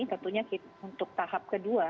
tentunya untuk tahap kedua